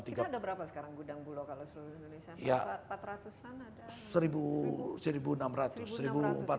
kita ada berapa sekarang gudang bulog kalau seluruh indonesia